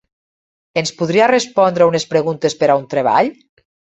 Ens podria respondre unes preguntes per a un treball?